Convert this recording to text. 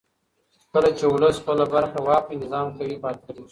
کله چې ولس خپله برخه واخلي نظام قوي پاتې کېږي